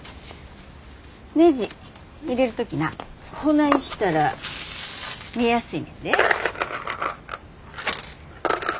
ねじ入れる時なこないしたら見えやすいねんで。